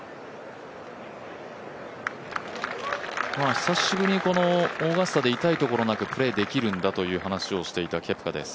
久しぶりに、オーガスタで痛いところなくプレーできるんだという話をしていたケプカです。